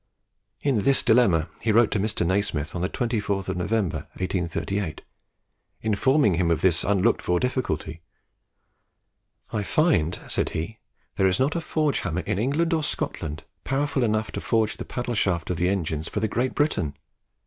In this dilemma he wrote to Mr. Nasmyth on the 24th November,1838, informing him of this unlooked for difficulty. "I find," said he, "there is not a forge hammer in England or Scotland powerful enough to forge the paddle shaft of the engines for the 'Great Britain!'